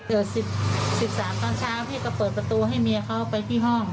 เกิดสิบสามตอนเช้าพี่ก็เปิดประตูให้เมียเค้าไปที่ห้อง